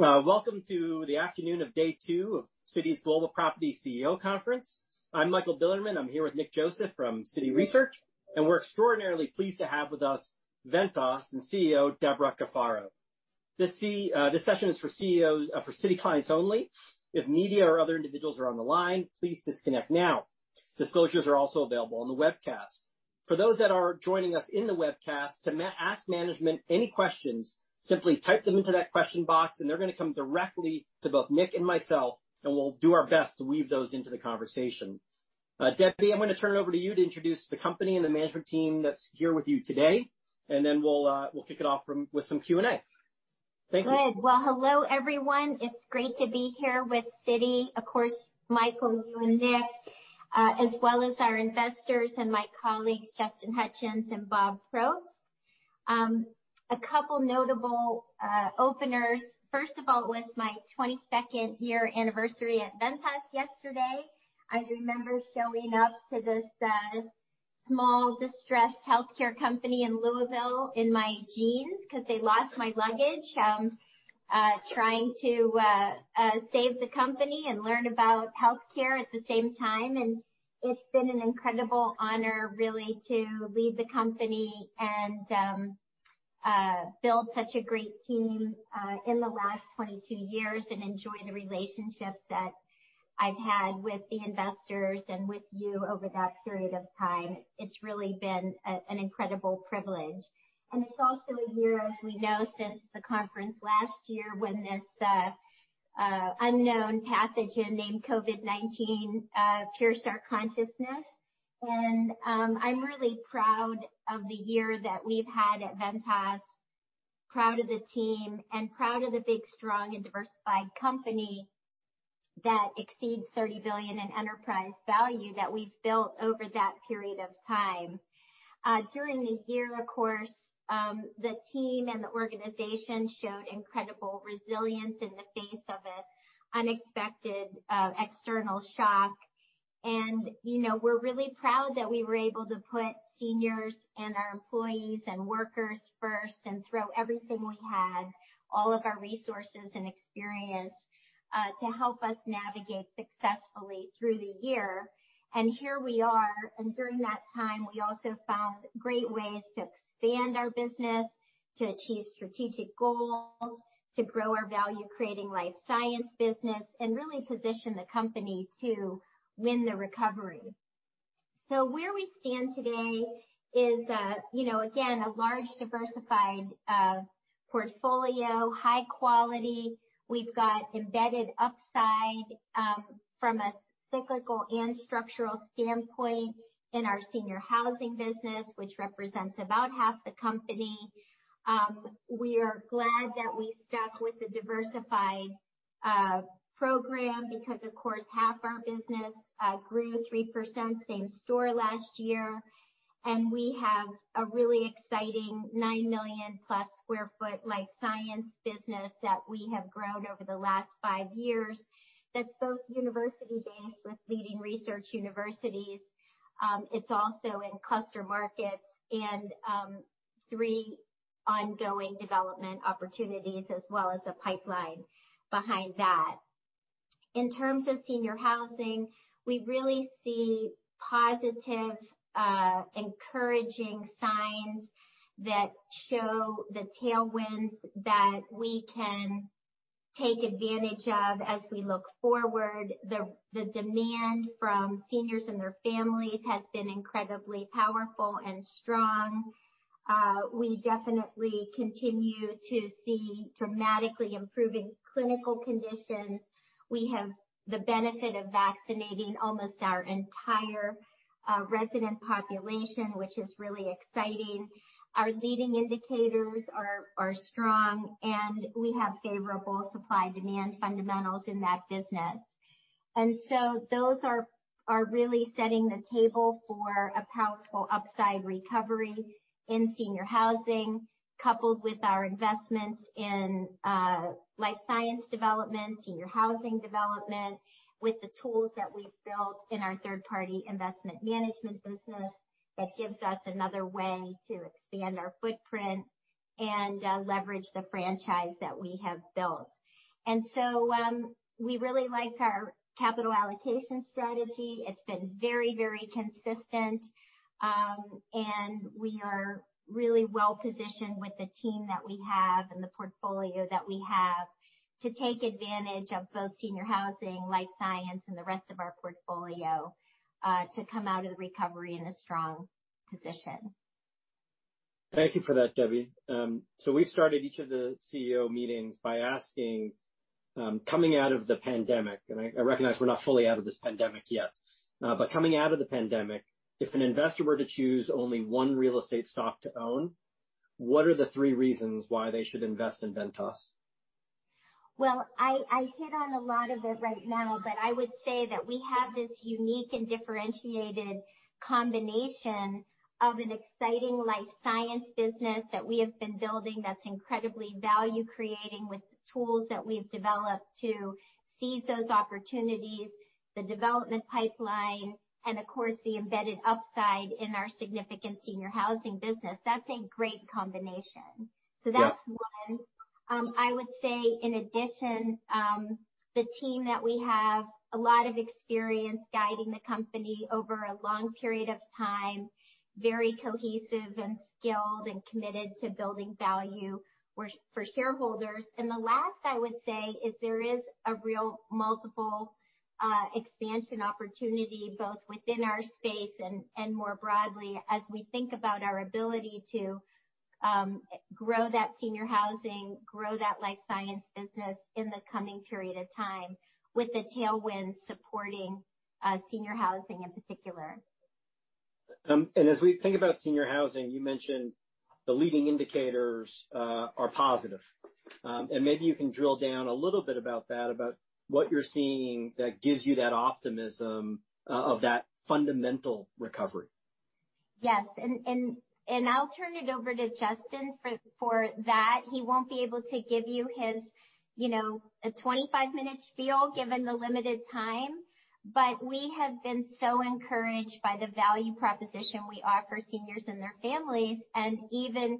Welcome to the afternoon of day two of Citi's Global Property CEO Conference. I'm Michael Bilerman. I'm here with Nicholas Joseph from Citi Research, and we're extraordinarily pleased to have with us Ventas and CEO Debra Cafaro. This session is for CEOs for Citi clients only. If media or other individuals are on the line, please disconnect now. Disclosures are also available on the webcast. For those that are joining us in the webcast, to ask management any questions, simply type them into that question box, and they're going to come directly to both Nick and myself, and we'll do our best to weave those into the conversation. Debbie, I'm going to turn it over to you to introduce the company and the management team that's here with you today, and then we'll kick it off with some Q&A. Thank you. Good. Well, hello, everyone. It's great to be here with Citi, of course, Michael, you and Nick, as well as our investors and my colleagues, Justin Hutchens and Bob Probst. A couple notable openers. First of all, it was my 22nd year anniversary at Ventas yesterday. I remember showing up to this small, distressed healthcare company in Louisville in my jeans because they lost my luggage, trying to save the company and learn about healthcare at the same time. And it's been an incredible honor, really, to lead the company and build such a great team in the last 22 years and enjoy the relationships that I've had with the investors and with you over that period of time. It's really been an incredible privilege. And it's also a year, as we know, since the conference last year when this unknown pathogen named COVID-19 pierced our consciousness. I'm really proud of the year that we've had at Ventas, proud of the team, and proud of the big, strong, and diversified company that exceeds $30 billion in enterprise value that we've built over that period of time. During the year, of course, the team and the organization showed incredible resilience in the face of an unexpected external shock. And we're really proud that we were able to put seniors and our employees and workers first and throw everything we had, all of our resources and experience, to help us navigate successfully through the year. And here we are. And during that time, we also found great ways to expand our business, to achieve strategic goals, to grow our value-creating life science business, and really position the company to win the recovery. So where we stand today is, again, a large, diversified portfolio, high quality. We've got embedded upside from a cyclical and structural standpoint in our senior housing business, which represents about half the company. We are glad that we stuck with the diversified program because, of course, half our business grew 3% same-store last year, and we have a really exciting 9 million-plus sq ft life science business that we have grown over the last five years that's both university-based with leading research universities. It's also in cluster markets and three ongoing development opportunities, as well as a pipeline behind that. In terms of senior housing, we really see positive, encouraging signs that show the tailwinds that we can take advantage of as we look forward. The demand from seniors and their families has been incredibly powerful and strong. We definitely continue to see dramatically improving clinical conditions. We have the benefit of vaccinating almost our entire resident population, which is really exciting. Our leading indicators are strong, and we have favorable supply-demand fundamentals in that business. And so those are really setting the table for a powerful upside recovery in senior housing, coupled with our investments in life science development, senior housing development, with the tools that we've built in our third-party investment management business that gives us another way to expand our footprint and leverage the franchise that we have built. And so we really like our capital allocation strategy. It's been very, very consistent, and we are really well-positioned with the team that we have and the portfolio that we have to take advantage of both senior housing, life science, and the rest of our portfolio to come out of the recovery in a strong position. Thank you for that, Debbie. So we've started each of the CEO meetings by asking, coming out of the pandemic, and I recognize we're not fully out of this pandemic yet, but coming out of the pandemic, if an investor were to choose only one real estate stock to own, what are the three reasons why they should invest in Ventas? Well, I hit on a lot of it right now, but I would say that we have this unique and differentiated combination of an exciting life science business that we have been building that's incredibly value-creating with the tools that we've developed to seize those opportunities, the development pipeline, and, of course, the embedded upside in our significant senior housing business. That's a great combination. So that's one. I would say, in addition, the team that we have, a lot of experience guiding the company over a long period of time, very cohesive and skilled and committed to building value for shareholders. The last I would say is there is a real multiple expansion opportunity both within our space and more broadly as we think about our ability to grow that senior housing, grow that life science business in the coming period of time with the tailwinds supporting senior housing in particular. As we think about senior housing, you mentioned the leading indicators are positive. Maybe you can drill down a little bit about that, about what you're seeing that gives you that optimism of that fundamental recovery. Yes. And I'll turn it over to Justin for that. He won't be able to give you a 25-minute spiel given the limited time, but we have been so encouraged by the value proposition we offer seniors and their families. And even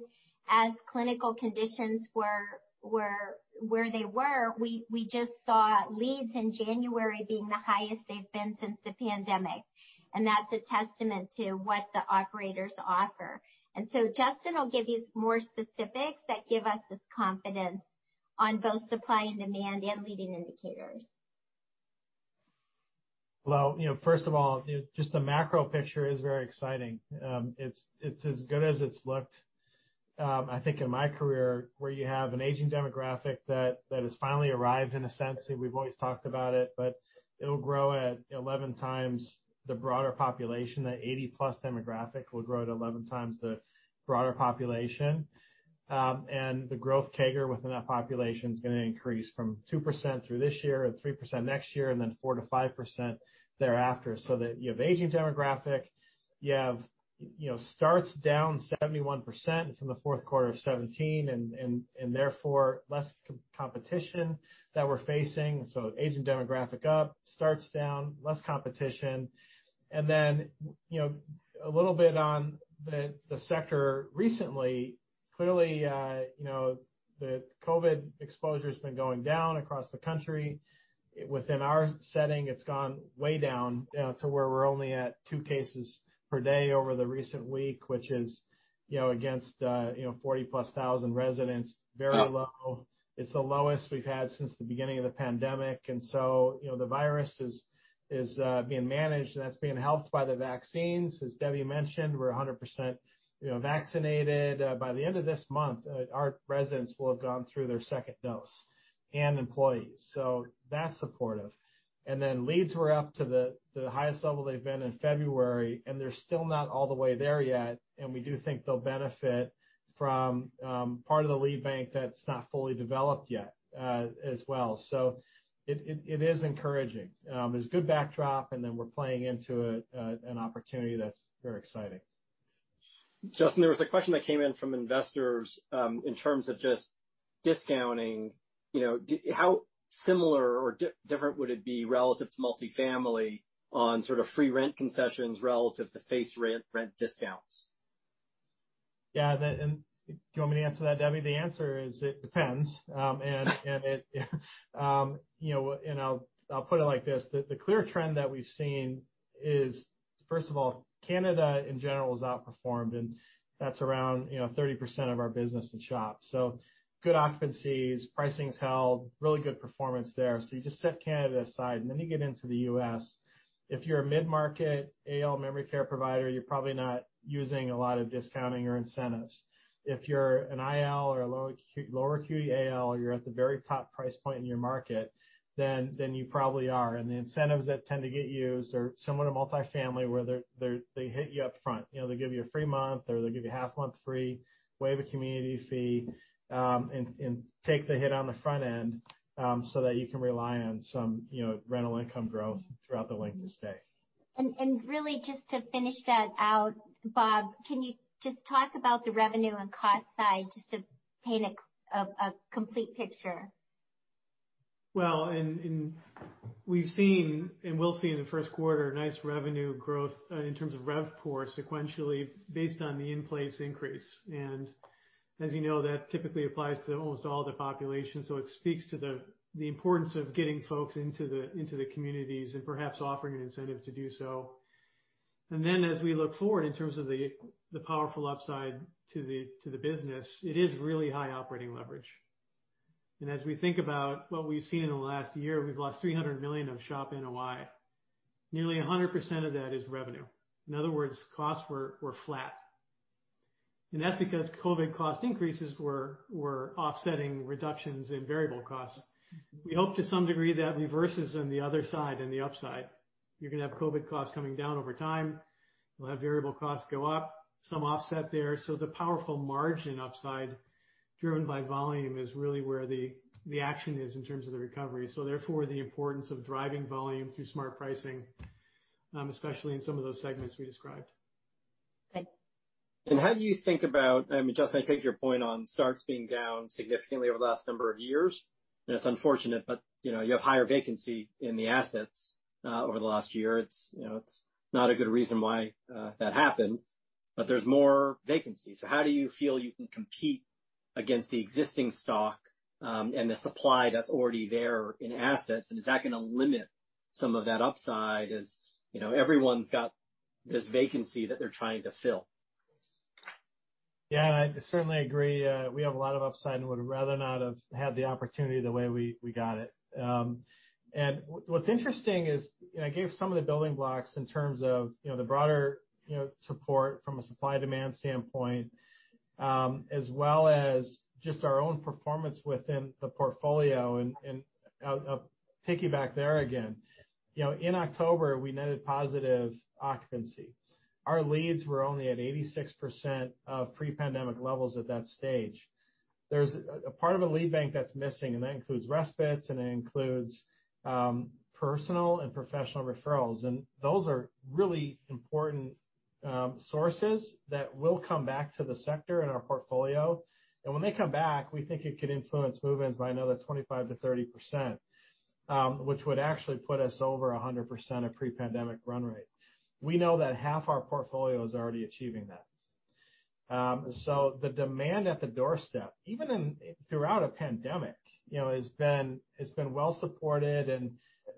as clinical conditions were where they were, we just saw leads in January being the highest they've been since the pandemic. And that's a testament to what the operators offer. And so Justin will give you more specifics that give us this confidence on both supply and demand and leading indicators. First of all, just the macro picture is very exciting. It's as good as it's looked. I think in my career, where you have an aging demographic that has finally arrived in a sense, and we've always talked about it, but it'll grow at 11 times the broader population. That 80-plus demographic will grow at 11 times the broader population. And the growth CAGR within that population is going to increase from 2% through this year and 3% next year and then 4 to 5% thereafter. So that you have aging demographic, you have starts down 71% from the fourth quarter of 2017, and therefore less competition that we're facing. So aging demographic up, starts down, less competition. And then a little bit on the sector recently, clearly the COVID exposure has been going down across the country. Within our setting, it's gone way down to where we're only at two cases per day over the recent week, which is against 40-plus thousand residents, very low. It's the lowest we've had since the beginning of the pandemic, and so the virus is being managed, and that's being helped by the vaccines. As Debbie mentioned, we're 100% vaccinated. By the end of this month, our residents will have gone through their second dose and employees. So that's supportive, and then leads were up to the highest level they've been in February, and they're still not all the way there yet. And we do think they'll benefit from part of the lead bank that's not fully developed yet as well. So it is encouraging. There's good backdrop, and then we're playing into an opportunity that's very exciting. Justin, there was a question that came in from investors in terms of just discounting. How similar or different would it be relative to multifamily on sort of free rent concessions relative to face rent discounts? Yeah. And do you want me to answer that, Debbie? The answer is it depends, and I'll put it like this. The clear trend that we've seen is, first of all, Canada in general has outperformed, and that's around 30% of our business and SHOP. So good occupancies, pricing's held, really good performance there. So you just set Canada aside, and then you get into the U.S. If you're a mid-market AL memory care provider, you're probably not using a lot of discounting or incentives. If you're an IL or a lower acuity AL, you're at the very top price point in your market, then you probably are, and the incentives that tend to get used are similar to multifamily where they hit you upfront. They give you a free month, or they give you half a month free, waive a community fee, and take the hit on the front end so that you can rely on some rental income growth throughout the length of stay. Really, just to finish that out, Bob, can you just talk about the revenue and cost side just to paint a complete picture? Well, and we've seen and will see in the first quarter nice revenue growth in terms of RevPOR sequentially based on the in-place increase. And as you know, that typically applies to almost all the population. So it speaks to the importance of getting folks into the communities and perhaps offering an incentive to do so. And then as we look forward in terms of the powerful upside to the business, it is really high operating leverage. And as we think about what we've seen in the last year, we've lost $300 million of SHOP NOI. Nearly 100% of that is revenue. In other words, costs were flat. And that's because COVID cost increases were offsetting reductions in variable costs. We hope to some degree that reverses on the other side and the upside. You're going to have COVID costs coming down over time. You'll have variable costs go up, some offset there. So the powerful margin upside driven by volume is really where the action is in terms of the recovery. So therefore, the importance of driving volume through smart pricing, especially in some of those segments we described. And how do you think about, I mean, Justin, I take your point on starts being down significantly over the last number of years. And it's unfortunate, but you have higher vacancy in the assets over the last year. It's not a good reason why that happened, but there's more vacancy. So how do you feel you can compete against the existing stock and the supply that's already there in assets? And is that going to limit some of that upside as everyone's got this vacancy that they're trying to fill? Yeah. I certainly agree. We have a lot of upside and would rather not have had the opportunity the way we got it. And what's interesting is I gave some of the building blocks in terms of the broader support from a supply-demand standpoint, as well as just our own performance within the portfolio. And take you back there again. In October, we netted positive occupancy. Our leads were only at 86% of pre-pandemic levels at that stage. There's a part of a lead bank that's missing, and that includes respites, and it includes personal and professional referrals. And those are really important sources that will come back to the sector and our portfolio. And when they come back, we think it could influence movements by another 25%-30%, which would actually put us over 100% of pre-pandemic run rate. We know that half our portfolio is already achieving that. So the demand at the doorstep, even throughout a pandemic, has been well-supported.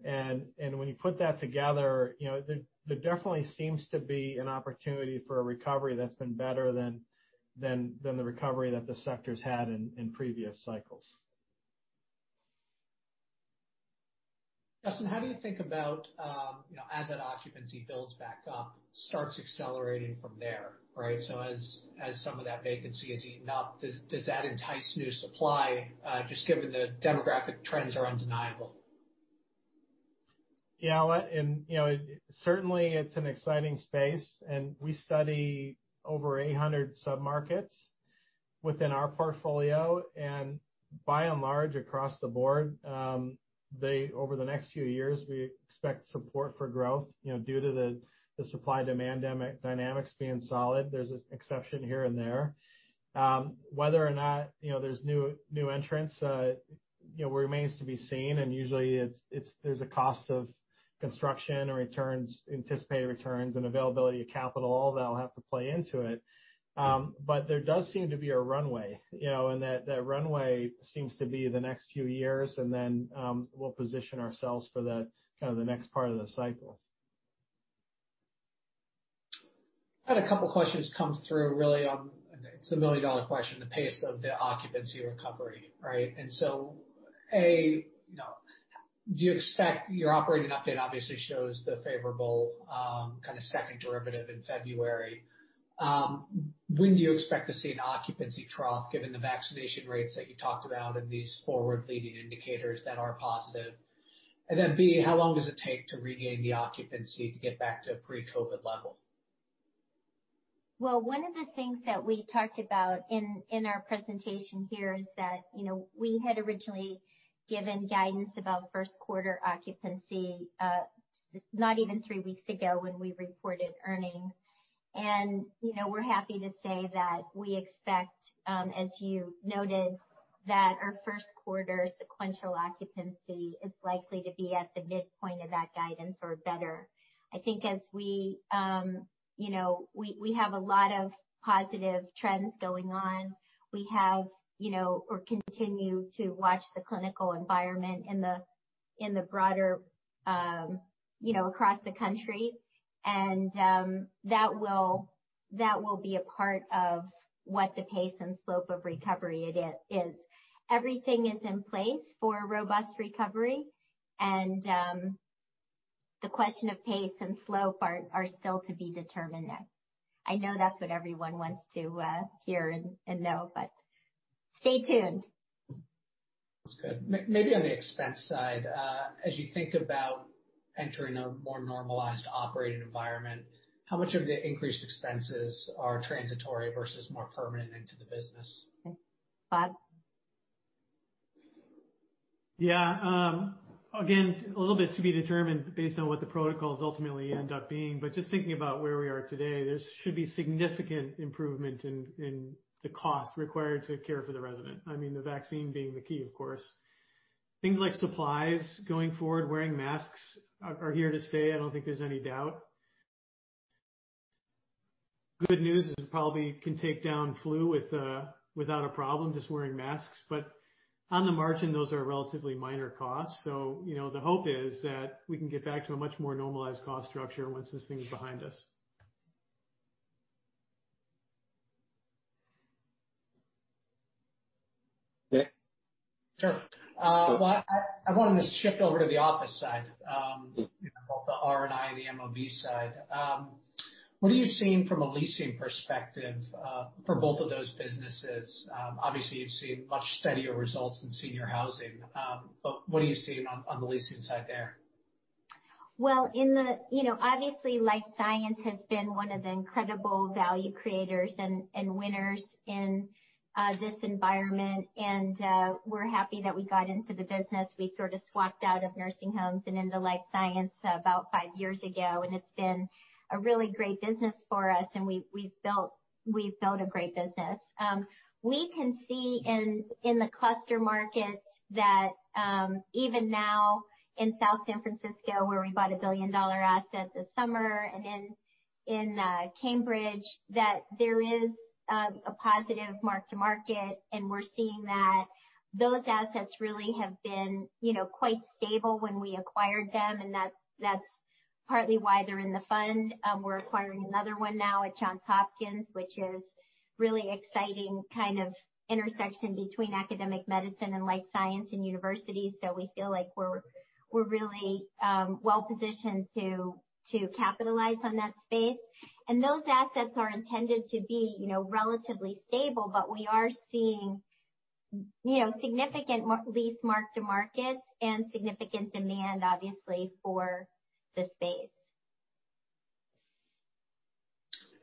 And when you put that together, there definitely seems to be an opportunity for a recovery that's been better than the recovery that the sector's had in previous cycles. Justin, how do you think about as that occupancy builds back up, starts accelerating from there, right? So as some of that vacancy is eaten up, does that entice new supply just given the demographic trends are undeniable? Yeah. And certainly, it's an exciting space. And we study over 800 sub-markets within our portfolio. And by and large, across the board, over the next few years, we expect support for growth due to the supply-demand dynamics being solid. There's an exception here and there. Whether or not there's new entrants remains to be seen. And usually, there's a cost of construction and anticipated returns and availability of capital that'll have to play into it. But there does seem to be a runway. And that runway seems to be the next few years, and then we'll position ourselves for kind of the next part of the cycle. I had a couple of questions come through, really. It's a million-dollar question, the pace of the occupancy recovery, right? And so A, do you expect your operating update obviously shows the favorable kind of second derivative in February? When do you expect to see an occupancy trough given the vaccination rates that you talked about and these forward-leading indicators that are positive? And then B, how long does it take to regain the occupancy to get back to a pre-COVID level? One of the things that we talked about in our presentation here is that we had originally given guidance about first-quarter occupancy not even three weeks ago when we reported earnings. We're happy to say that we expect, as you noted, that our first-quarter sequential occupancy is likely to be at the midpoint of that guidance or better. I think as we have a lot of positive trends going on, we have or continue to watch the clinical environment in the broader across the country. That will be a part of what the pace and slope of recovery is. Everything is in place for robust recovery. The question of pace and slope are still to be determined. I know that's what everyone wants to hear and know, but stay tuned. That's good. Maybe on the expense side, as you think about entering a more normalized operating environment, how much of the increased expenses are transitory versus more permanent into the business? Bob. Yeah. Again, a little bit to be determined based on what the protocols ultimately end up being. But just thinking about where we are today, there should be significant improvement in the cost required to care for the resident. I mean, the vaccine being the key, of course. Things like supplies going forward, wearing masks are here to stay. I don't think there's any doubt. Good news is it probably can take down flu without a problem just wearing masks. But on the margin, those are relatively minor costs. So the hope is that we can get back to a much more normalized cost structure once this thing's behind us. Okay. Sure. Well, I wanted to shift over to the office side of both the R&I and the MOB side. What are you seeing from a leasing perspective for both of those businesses? Obviously, you've seen much steadier results in senior housing. But what are you seeing on the leasing side there? Obviously, life science has been one of the incredible value creators and winners in this environment. We're happy that we got into the business. We sort of swapped out of nursing homes and into life science about five years ago. It's been a really great business for us. We've built a great business. We can see in the cluster markets that even now in South San Francisco, where we bought a $1 billion asset this summer and in Cambridge, that there is a positive mark-to-market. We're seeing that those assets really have been quite stable when we acquired them. That's partly why they're in the fund. We're acquiring another one now at Johns Hopkins, which is really exciting kind of intersection between academic medicine and life science and universities. We feel like we're really well-positioned to capitalize on that space. And those assets are intended to be relatively stable, but we are seeing significant lease mark-to-market and significant demand, obviously, for the space.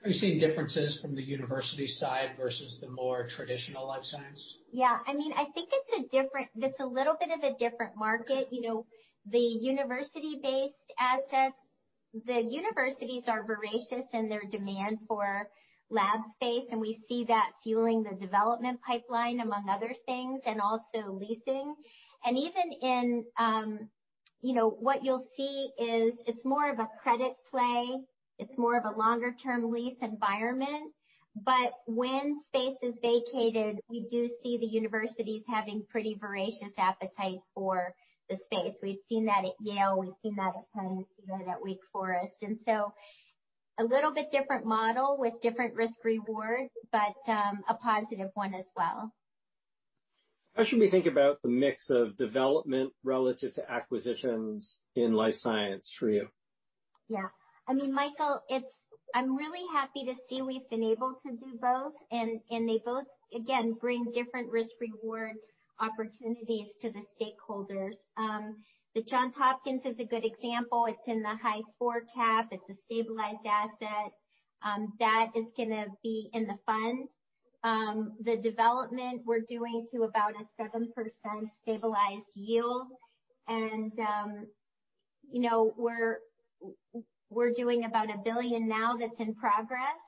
Are you seeing differences from the university side versus the more traditional life science? Yeah. I mean, I think it's a little bit of a different market. The university-based assets, the universities are voracious in their demand for lab space. And we see that fueling the development pipeline, among other things, and also leasing. And even in what you'll see is it's more of a credit play. It's more of a longer-term lease environment. But when space is vacated, we do see the universities having pretty voracious appetite for the space. We've seen that at Yale. We've seen that at Penn. We've seen that at Wake Forest. And so a little bit different model with different risk-reward, but a positive one as well. How should we think about the mix of development relative to acquisitions in life science for you? Yeah. I mean, Michael, I'm really happy to see we've been able to do both. And they both, again, bring different risk-reward opportunities to the stakeholders. The Johns Hopkins is a good example. It's in the high 4% cap. It's a stabilized asset that is going to be in the fund. The development we're doing to about a 7% stabilized yield. And we're doing about $1 billion now that's in progress.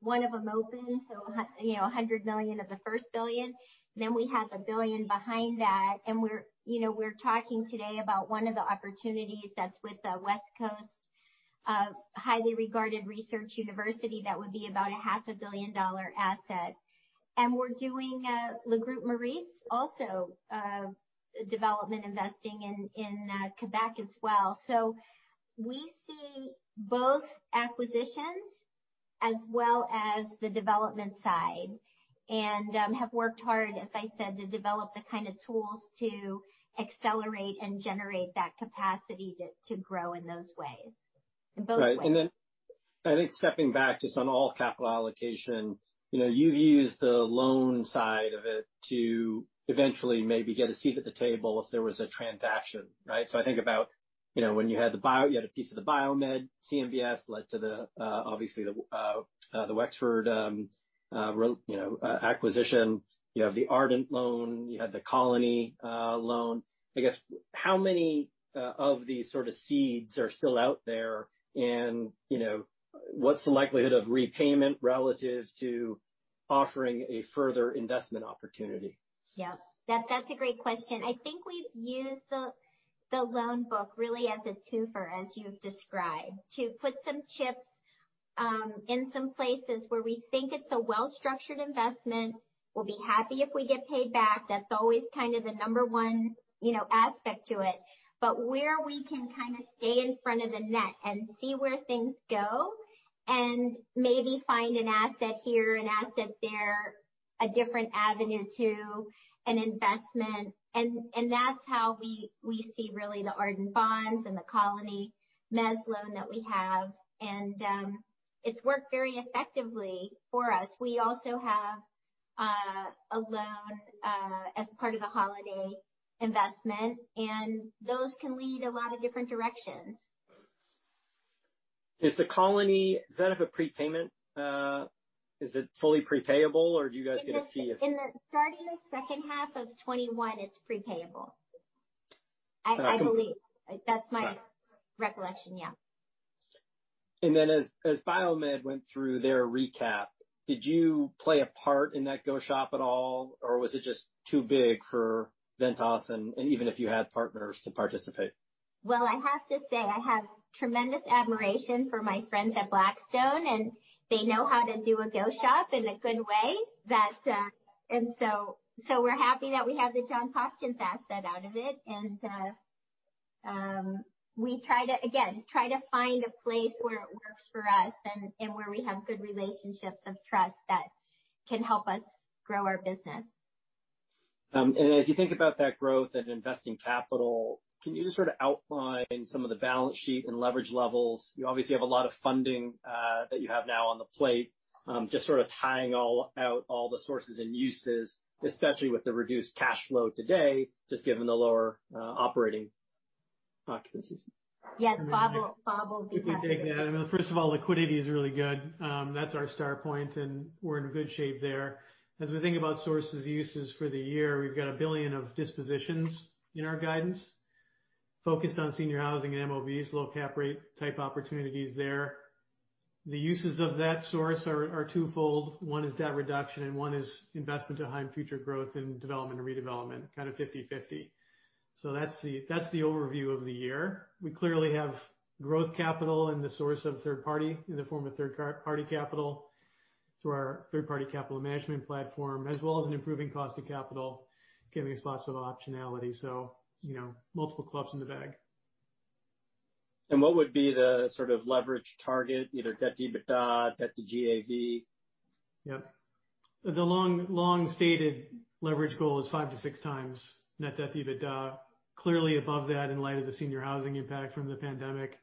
One of them opens, so $100 million of the first $1 billion. Then we have a $1 billion behind that. And we're talking today about one of the opportunities that's with the West Coast highly regarded research university that would be about a $500 million asset. And we're doing Le Groupe Maurice also development investing in Québec as well. So we see both acquisitions as well as the development side and have worked hard, as I said, to develop the kind of tools to accelerate and generate that capacity to grow in those ways. And both of those. And then I think stepping back just on all capital allocation, you've used the loan side of it to eventually maybe get a seat at the table if there was a transaction, right? So I think about when you had the piece of the BioMed Realty CMBS led to, obviously, the Wexford Science & Technology acquisition. You have the Ardent Health Services loan. You had the Colony Capital loan. I guess how many of these sort of seeds are still out there? And what's the likelihood of repayment relative to offering a further investment opportunity? Yeah. That's a great question. I think we've used the loan book really as a twofer, as you've described, to put some chips in some places where we think it's a well-structured investment. We'll be happy if we get paid back. That's always kind of the number one aspect to it. But where we can kind of stay in front of the net and see where things go and maybe find an asset here, an asset there, a different avenue to an investment. And that's how we see really the Ardent bonds and the Colony mezz loan that we have. And it's worked very effectively for us. We also have a loan as part of the Holiday investment. And those can lead a lot of different directions. Is the Colony subject to a prepayment? Is it fully prepayable, or do you guys get to say if? In the starting second half of 2021, it's prepayable, I believe. That's my recollection. Yeah. And then as BioMed went through their recap, did you play a part in that go-shop at all, or was it just too big for Ventas and even if you had partners to participate? I have to say I have tremendous admiration for my friends at Blackstone, and they know how to do a go-shop in a good way, and we're happy that we have the Johns Hopkins asset out of it. We try to, again, find a place where it works for us and where we have good relationships of trust that can help us grow our business. As you think about that growth and investing capital, can you just sort of outline some of the balance sheet and leverage levels? You obviously have a lot of funding that you have now on the plate, just sort of tying out all the sources and uses, especially with the reduced cash flow today, just given the lower operating occupancies. Yes. Bob will be happy to. I can take that. I mean, first of all, liquidity is really good. That's our start point, and we're in good shape there. As we think about sources and uses for the year, we've got $1 billion of dispositions in our guidance focused on senior housing and MOBs, low cap rate type opportunities there. The uses of that source are twofold. One is debt reduction, and one is investment to drive future growth and development and redevelopment, kind of 50/50, so that's the overview of the year. We clearly have growth capital and sources of third-party in the form of third-party capital through our third-party capital management platform, as well as an improving cost of capital giving us lots of optionality. So multiple clubs in the bag. What would be the sort of leverage target, either debt to EBITDA, debt to GAV? Yep. The long-stated leverage goal is five to six times net debt to EBITDA, clearly above that in light of the senior housing impact from the pandemic.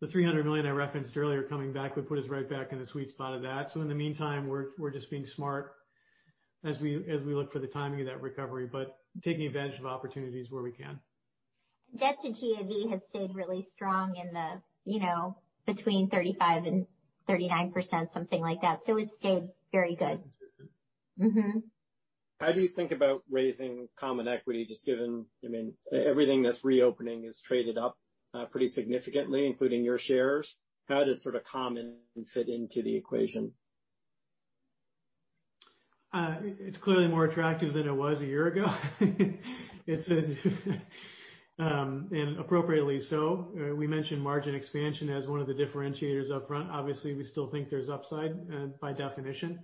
The $300 million I referenced earlier coming back would put us right back in the sweet spot of that. So in the meantime, we're just being smart as we look for the timing of that recovery, but taking advantage of opportunities where we can. Debt to GAV has stayed really strong in the between 35% and 39%, something like that. So it stayed very good. How do you think about raising common equity, just given I mean, everything that's reopening is traded up pretty significantly, including your shares. How does sort of common fit into the equation? It's clearly more attractive than it was a year ago, and appropriately so. We mentioned margin expansion as one of the differentiators upfront. Obviously, we still think there's upside by definition,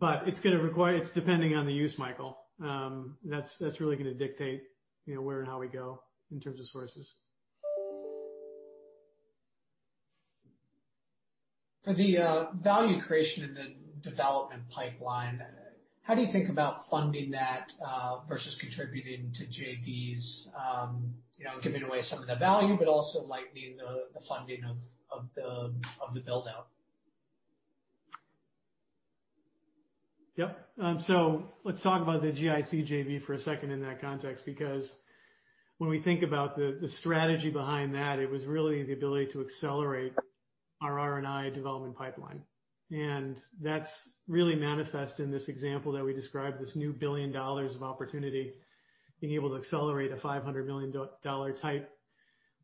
but it's going to require. It's depending on the use, Michael. That's really going to dictate where and how we go in terms of sources. For the value creation and the development pipeline, how do you think about funding that versus contributing to JVs, giving away some of the value, but also lightening the funding of the build-out? Yep. So let's talk about the GIC JV for a second in that context because when we think about the strategy behind that, it was really the ability to accelerate our R&I development pipeline, and that's really manifest in this example that we described, this new $1 billion of opportunity, being able to accelerate a $500 million type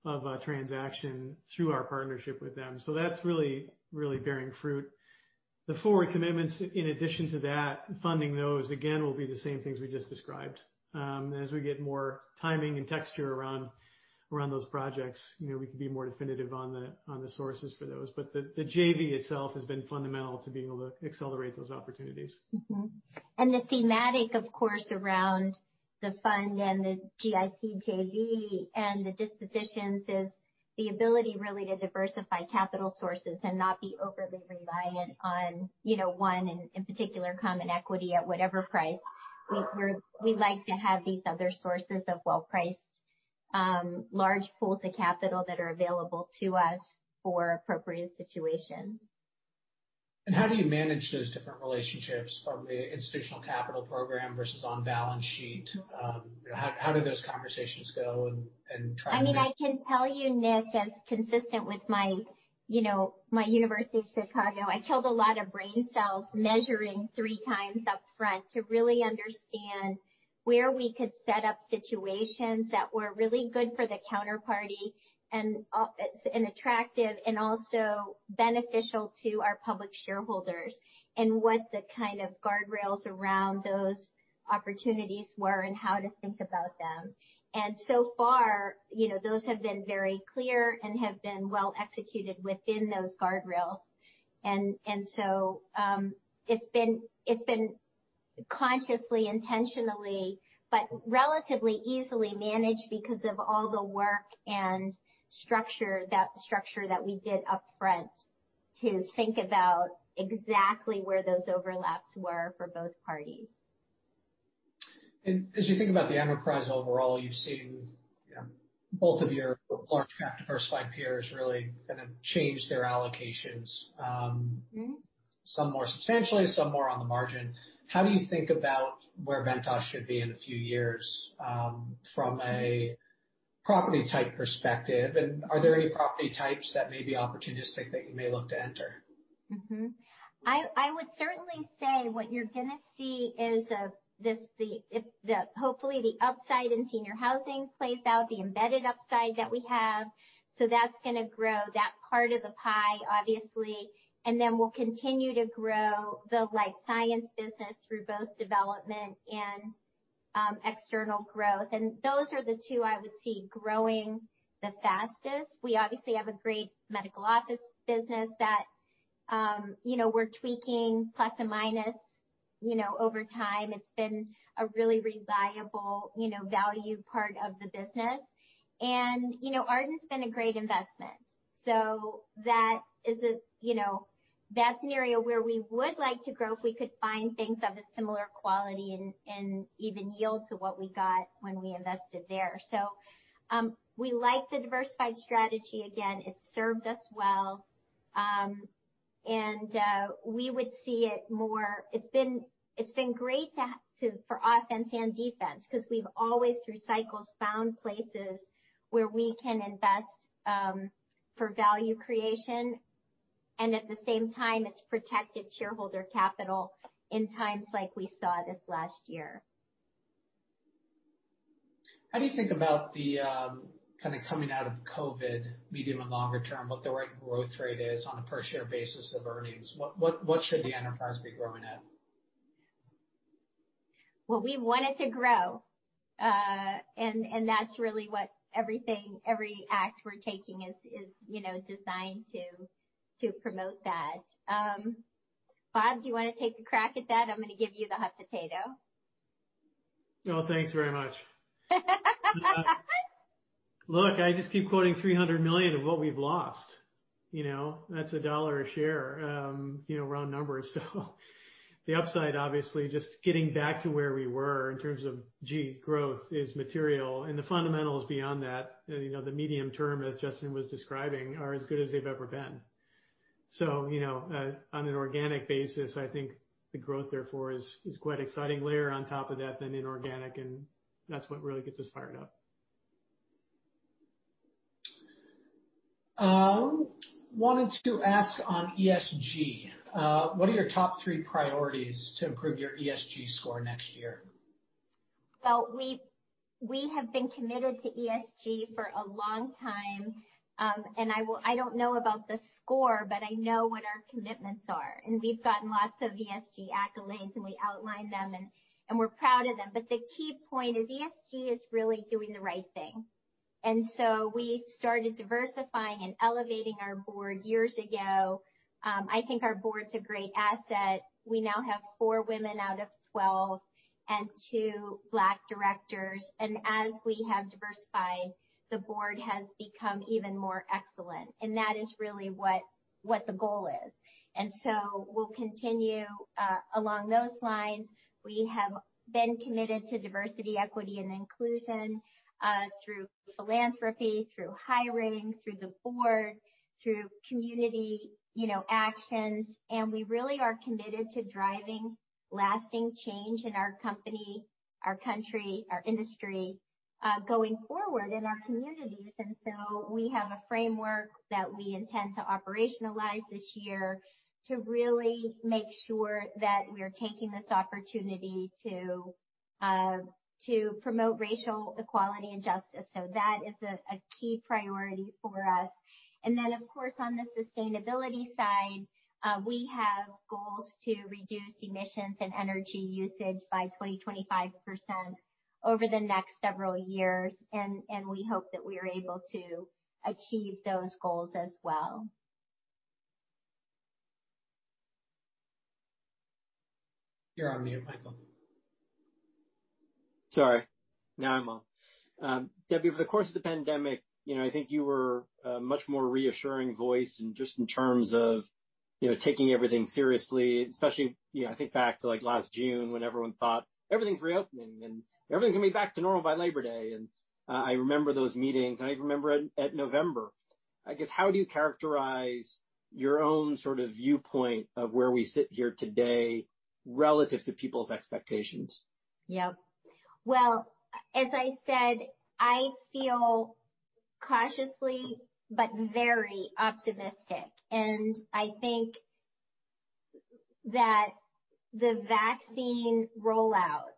of transaction through our partnership with them, so that's really, really bearing fruit. The forward commitments, in addition to that, funding those, again, will be the same things we just described. As we get more timing and texture around those projects, we can be more definitive on the sources for those, but the JV itself has been fundamental to being able to accelerate those opportunities. The thematic, of course, around the fund and the GIC JV and the dispositions is the ability really to diversify capital sources and not be overly reliant on one, in particular, common equity at whatever price. We like to have these other sources of well-priced large pools of capital that are available to us for appropriate situations. And how do you manage those different relationships from the institutional capital program versus on balance sheet? How do those conversations go and try to? I mean, I can tell you, Nick, as consistent with my University of Chicago, I killed a lot of brain cells measuring three times upfront to really understand where we could set up situations that were really good for the counterparty and attractive and also beneficial to our public shareholders and what the kind of guardrails around those opportunities were and how to think about them. And so far, those have been very clear and have been well executed within those guardrails. And so it's been consciously, intentionally, but relatively easily managed because of all the work and structure that we did upfront to think about exactly where those overlaps were for both parties. And as you think about the enterprise overall, you've seen both of your large cap diversified peers really kind of change their allocations, some more substantially, some more on the margin. How do you think about where Ventas should be in a few years from a property type perspective? And are there any property types that may be opportunistic that you may look to enter? I would certainly say what you're going to see is hopefully the upside in senior housing plays out, the embedded upside that we have. So that's going to grow that part of the pie, obviously. And then we'll continue to grow the life science business through both development and external growth. And those are the two I would see growing the fastest. We obviously have a great medical office business that we're tweaking plus and minus over time. It's been a really reliable value part of the business. And Ardent's been a great investment. So that is, that's an area where we would like to grow if we could find things of a similar quality and even yield to what we got when we invested there. So we like the diversified strategy. Again, it's served us well. And we would see it more. It's been great for offense and defense because we've always, through cycles, found places where we can invest for value creation. And at the same time, it's protected shareholder capital in times like we saw this last year. How do you think about the kind of coming out of COVID, medium and longer term, what the right growth rate is on a per-share basis of earnings? What should the enterprise be growing at? We want it to grow. That's really what every act we're taking is designed to promote that. Bob, do you want to take a crack at that? I'm going to give you the hot potato. No, thanks very much. Look, I just keep quoting $300 million of what we've lost. That's $1 a share round numbers. So the upside, obviously, just getting back to where we were in terms of growth is material. And the fundamentals beyond that, the medium term, as Justin was describing, are as good as they've ever been. So on an organic basis, I think the growth therefore is quite exciting. Layer on top of that, then inorganic, and that's what really gets us fired up. Wanted to ask on ESG. What are your top three priorities to improve your ESG score next year? Well, we have been committed to ESG for a long time. And I don't know about the score, but I know what our commitments are. And we've gotten lots of ESG accolades, and we outline them, and we're proud of them. But the key point is ESG is really doing the right thing. And so we started diversifying and elevating our board years ago. I think our board's a great asset. We now have four women out of 12 and two Black directors. And as we have diversified, the board has become even more excellent. And that is really what the goal is. And so we'll continue along those lines. We have been committed to diversity, equity, and inclusion through philanthropy, through hiring, through the board, through community actions. And we really are committed to driving lasting change in our company, our country, our industry going forward in our communities. So we have a framework that we intend to operationalize this year to really make sure that we are taking this opportunity to promote racial equality and justice. That is a key priority for us. Then, of course, on the sustainability side, we have goals to reduce emissions and energy usage by 25% by 2025 over the next several years. We hope that we are able to achieve those goals as well. You're on mute, Michael. Sorry. Now I'm on. Debbie, over the course of the pandemic, I think you were a much more reassuring voice just in terms of taking everything seriously, especially I think back to last June when everyone thought, "Everything's reopening, and everything's going to be back to normal by Labor Day." And I remember those meetings. And I remember it in November. I guess, how do you characterize your own sort of viewpoint of where we sit here today relative to people's expectations? Yep. Well, as I said, I feel cautiously but very optimistic, and I think that the vaccine rollout,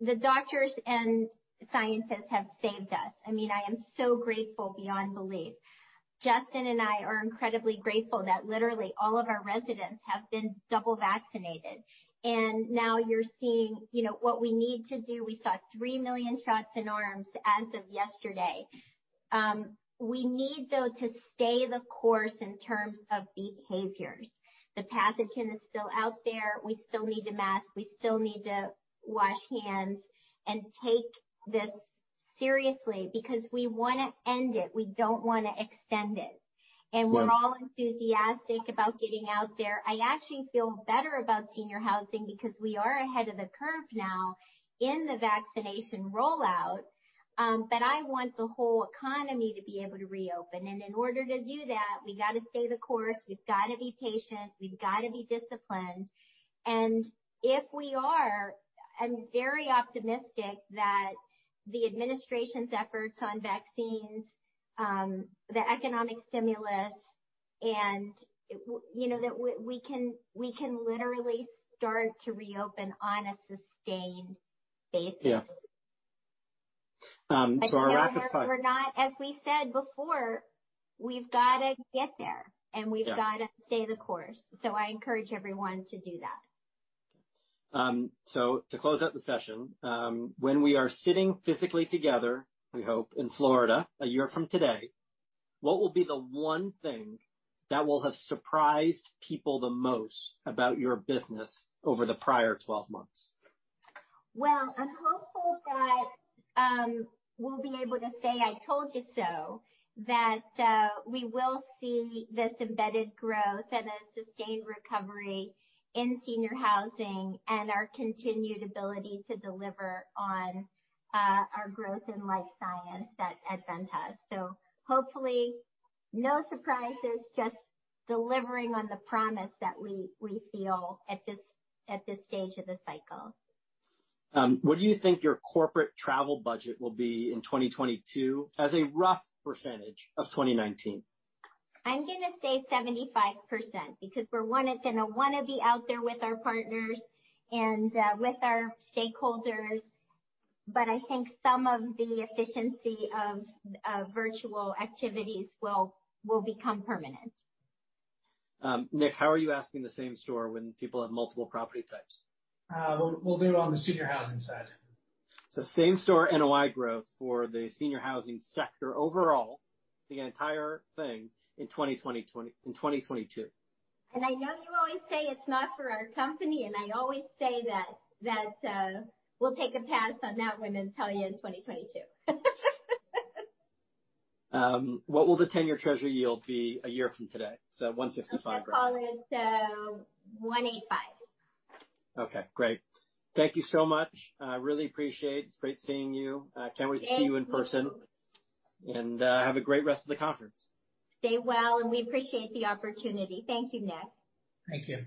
the doctors and scientists have saved us. I mean, I am so grateful beyond belief. Justin and I are incredibly grateful that literally all of our residents have been double vaccinated, and now you're seeing what we need to do. We saw 3 million shots in arms as of yesterday. We need, though, to stay the course in terms of behaviors. The pathogen is still out there. We still need to mask. We still need to wash hands and take this seriously because we want to end it. We don't want to extend it, and we're all enthusiastic about getting out there. I actually feel better about senior housing because we are ahead of the curve now in the vaccination rollout, but I want the whole economy to be able to reopen. And in order to do that, we got to stay the course. We've got to be patient. We've got to be disciplined. And if we are, I'm very optimistic that the Administration's efforts on vaccines, the economic stimulus, and that we can literally start to reopen on a sustained basis. Yep, so our rapid fire. As we said before, we've got to get there, and we've got to stay the course. So I encourage everyone to do that. So to close out the session, when we are sitting physically together, we hope, in Florida a year from today, what will be the one thing that will have surprised people the most about your business over the prior 12 months? I'm hopeful that we'll be able to say, "I told you so," that we will see this embedded growth and a sustained recovery in senior housing and our continued ability to deliver on our growth in life science at Ventas. Hopefully, no surprises, just delivering on the promise that we feel at this stage of the cycle. What do you think your corporate travel budget will be in 2022 as a rough % of 2019? I'm going to say 75% because we're going to want to be out there with our partners and with our stakeholders. But I think some of the efficiency of virtual activities will become permanent. Nick, how are you asking the same-store when people have multiple property types? We'll do on the senior housing side. So, same-store NOI growth for the senior housing sector overall, the entire thing in 2022. And I know you always say it's not for our company. And I always say that we'll take a pass on that one and tell you in 2022. What will the 10-year Treasury yield be a year from today? So 155. I think I'll call it 185. Okay. Great. Thank you so much. I really appreciate it. It's great seeing you. I can't wait to see you in person. And have a great rest of the conference. Stay well, and we appreciate the opportunity. Thank you, Nick. Thank you.